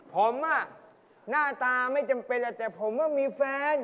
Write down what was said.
ผมหน้าตาไม่จำเป็นแล้วแต่ผมก็มีแฟน